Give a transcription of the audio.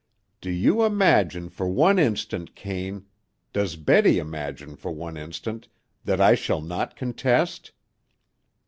"Do you imagine for one instant, Kane, does Betty imagine for one instant, that I shall not contest?"